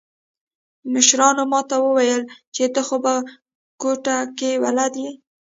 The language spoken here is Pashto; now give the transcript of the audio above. مشرانو ما ته وويل چې ته خو په کوټه کښې بلد يې.